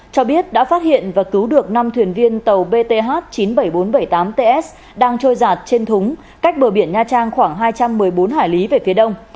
cho biết đã phát hiện và cứu được năm thuyền viên tàu bth chín mươi bảy nghìn bốn trăm bảy mươi tám ts đang trôi giạt trên thúng cách bờ biển nha trang khoảng hai trăm một mươi bốn hải lý về phía đông